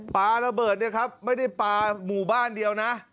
ปลาระเบิดเนี่ยครับไม่ได้ปลาหมู่บ้านเดียวนะ